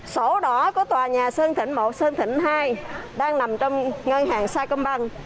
sổ đỏ của tòa nhà sơn thịnh một sơn thịnh hai đang nằm trong ngân hàng sacombank